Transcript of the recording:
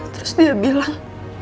terus dia bilang